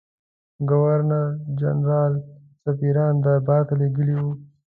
ګورنرجنرال سفیران دربارته لېږلي وه.